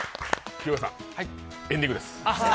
日向さんエンディングです。